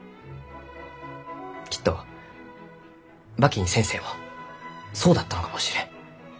きっと馬琴先生もそうだったのかもしれん。